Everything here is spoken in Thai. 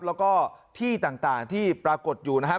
แล้วก็ที่ต่างที่ปรากฏอยู่นะครับ